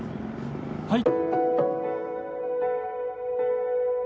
はい。